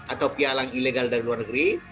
atau pialang ilegal dari luar negeri